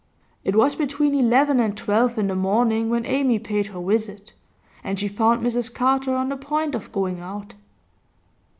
It was between eleven and twelve in the morning when Amy paid her visit, and she found Mrs Carter on the point of going out.